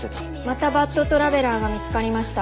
またバッドトラベラーが見つかりました。